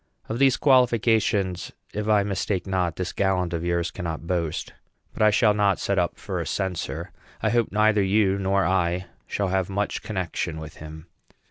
Of these qualifications, if I mistake not, this gallant of yours cannot boast. But I shall not set up for a censor. I hope neither you nor I shall have much connection with him.